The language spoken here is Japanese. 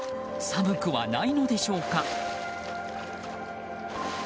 寒くはないのでしょうか。